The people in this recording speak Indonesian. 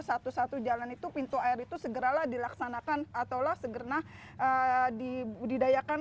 satu satu jalan itu pintu air itu segeralah dilaksanakan atau lah segera di budidayakan